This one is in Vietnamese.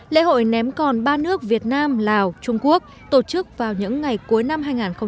lễ hội ném còn ba nước việt nam lào trung quốc tổ chức vào những ngày cuối năm hai nghìn hai mươi